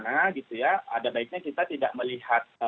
ada baiknya kita tidak melihat